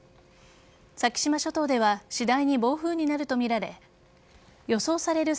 先島諸島では次第に暴風になるとみられ予想される